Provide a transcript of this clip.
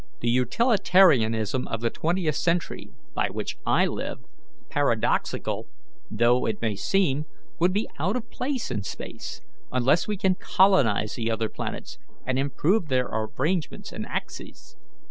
The utilitarianism of the twentieth century, by which I live, paradoxical though it may seem, would be out of place in space, unless we can colonize the other planets, and improve their arrangements and axes."